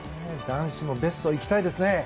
男子もベスト行きたいですね。